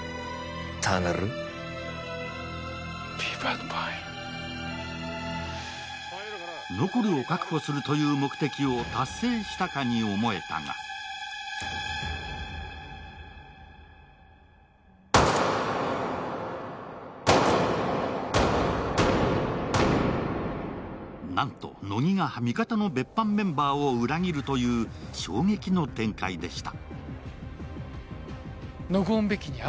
ノコルを確保するという目的を達成したかに思えたがなんと乃木が味方の別班メンバーを裏切るという衝撃の展開でした。